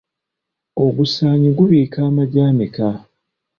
Ogusaanyi gubiika amagi ameka?